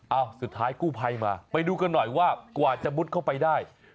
สุดท้ายกู้ภัยมาไปดูกันหน่อยว่ากว่าจะมุดเข้าไปได้